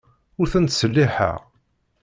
Ur ten-ttselliḥeɣ.